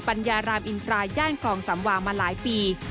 ัญญารามอินทรายย่านคลองสำวางมาหลายปี